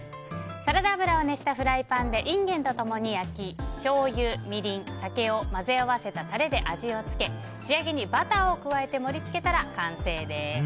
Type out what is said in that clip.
サラダ油を熱したフライパンでインゲンと共に焼きしょうゆ、みりん、酒を混ぜ合わせたタレで味をつけ仕上げにバターを加えて盛り付けたら完成です。